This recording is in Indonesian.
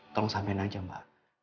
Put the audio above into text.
tolong sampein aja mbak